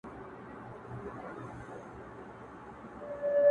غوږ سه راته ـ